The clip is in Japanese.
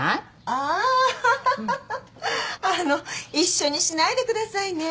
あの一緒にしないでくださいね。